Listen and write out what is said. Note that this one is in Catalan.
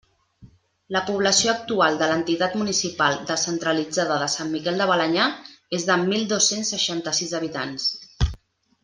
La població actual de l'entitat municipal descentralitzada de Sant Miquel de Balenyà és de mil dos-cents seixanta-sis habitants.